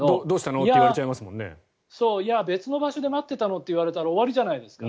いやー、別の場所で待ってたのって言われたら終わりじゃないですか。